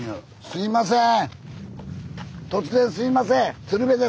すみません。